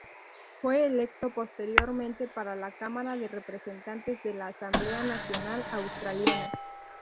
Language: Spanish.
Fue electo posteriormente para la Cámara de Representantes de la Asamblea Nacional Australiana.